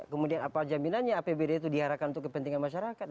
kemudian apa jaminannya apbd itu diarahkan untuk kepentingan masyarakat